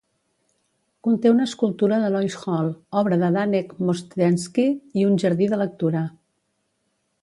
Conté una escultura de Lois Hole, obra de Danek Mozdzenski, i un jardí de lectura.